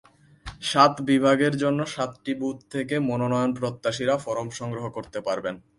সাত বিভাগের জন্য সাতটি বুথ থেকে মনোনয়নপ্রত্যাশীরা ফরম সংগ্রহ করতে পারবেন।